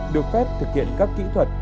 được phép thực hiện các kỹ thuật